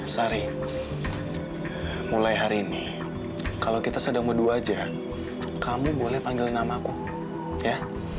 sari mulai hari ini kalau kita sedang berdua aja kamu boleh panggil namaku ya